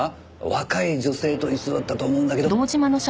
若い女性と一緒だったと思うんだけど。